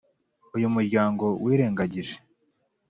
uyu muryango wirengagije